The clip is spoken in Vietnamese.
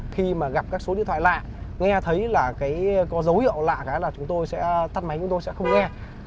khi mà gặp các số điện thoại lạ nghe thấy là cái có dấu hiệu lạ là chúng tôi sẽ tắt máy chúng tôi sẽ không nghe